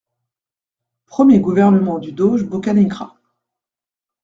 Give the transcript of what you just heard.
- Premier gouvernement du doge Boccanegra.